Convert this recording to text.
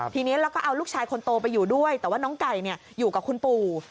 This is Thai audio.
ทีนี้แล้วก็เอาลูกชายคนโตไปอยู่ด้วยแต่ว่าน้องไก่อยู่กับคุณปู่